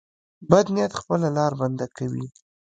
بد نیت خپله لار بنده کوي.